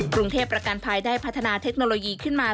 กรุงเทพประกันภัยได้พัฒนาเทคโนโลยีขึ้นมา